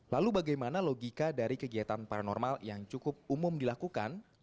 lalu bagaimana logika dari kegiatan paranormal yang cukup umum dilakukan